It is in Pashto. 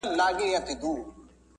او کیسو وزبیښئ